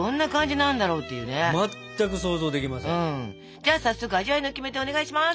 じゃあ早速味わいのキメテをお願いします。